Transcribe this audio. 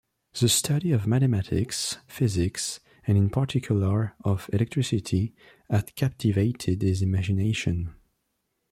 The study of mathematics, physics, and in particular, of electricity, had captivated his imagination.